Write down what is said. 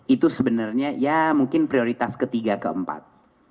itu sebenarnya ya mungkin prioritas ketiga keempat